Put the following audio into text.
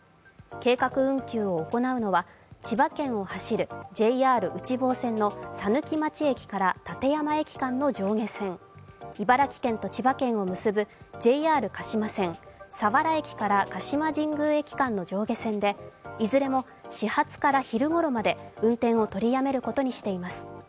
計画運休を行うのは、千葉県を走る、ＪＲ内房線の佐貫町駅から館山駅間の上下線、茨城県と千葉県を結ぶＪＲ鹿島線、佐原駅から鹿島神宮駅間の上下線でいずれも始発から昼ごろまで運転を取りやめることにしています。